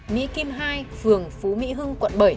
mỹ kim hai phường phú mỹ hưng quận bảy